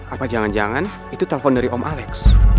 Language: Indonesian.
apa jangan jangan itu telepon dari om alex